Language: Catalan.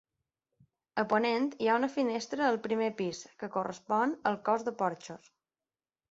A ponent hi ha una finestra al primer pis, que correspon al cos de porxos.